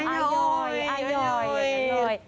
อร่อย